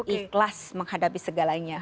ikhlas menghadapi segalanya